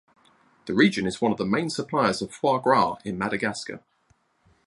The region is one of the main suppliers of foie gras in Madagascar.